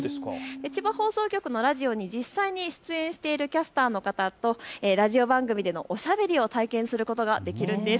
千葉放送局のラジオに実際に出演しているキャスターの方とラジオ番組でのおしゃべりを体験することができるんです。